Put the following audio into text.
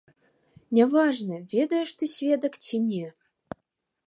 Няважна, ведаеш ты сведак ці не.